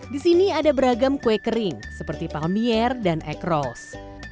di sini ada beragam kue kering seperti palmier dan eg rolls